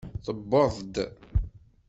Tewweḍ-d.